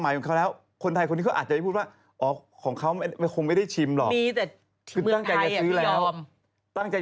เอาหรอเรื่องอะไรฮะเปิดกินก่อนเนี้ยหรอไม่ใช่ไม่ใช่ไม่ใช่